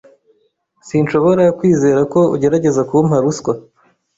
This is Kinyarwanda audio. Sinshobora kwizera ko ugerageza kumpa ruswa.